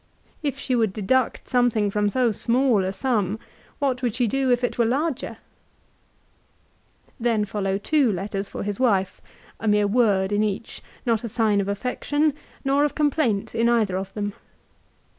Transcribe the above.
If she would deduct something from so small a sum, what would she do if it were larger ? 2 Then follow two letters for his wife, a mere word in each, not a sign of affection, nor of complaint in either of them.